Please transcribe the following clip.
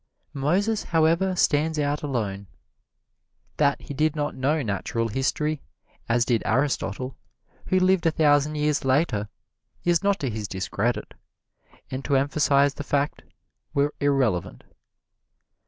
Moses, however, stands out alone. That he did not know natural history as did Aristotle, who lived a thousand years later, is not to his discredit, and to emphasize the fact were irrelevant.